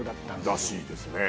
らしいですね。